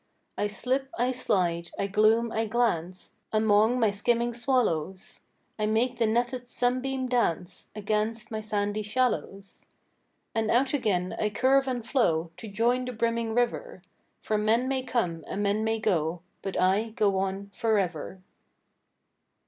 I slip, I slide, I gloom, I glance, Among my skimming swallows; I make the netted sunbeam dance Against my sandy shallows. And out again I curve and flow To join the brimming river; For men may come and men may go, But I go on forever.